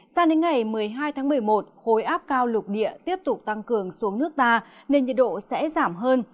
sang đến ngày một mươi hai tháng một mươi một khối áp cao lục địa tiếp tục tăng cường xuống nước ta nên nhiệt độ sẽ giảm hơn